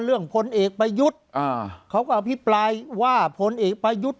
เรื่องพลเอกประยุทธเขาก็อภิปรายว่าพลเอกประยุทธ